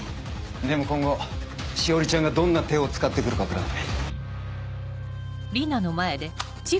でも今後詩織ちゃんがどんな手を使って来るか分からない。